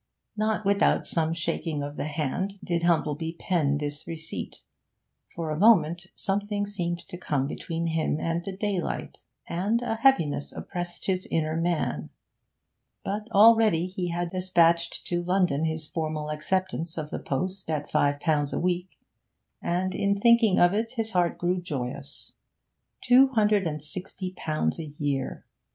Not without some shaking of the hand did Humplebee pen this receipt; for a moment something seemed to come between him and the daylight, and a heaviness oppressed his inner man. But already he had despatched to London his formal acceptance of the post at five pounds a week, and in thinking of it his heart grew joyous. Two hundred and sixty pounds a year!